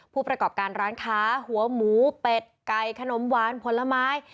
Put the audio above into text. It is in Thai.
ผู้ประกอบการร้านค้าหัวหมูเป็ดไก่ขนมหวานผลไม้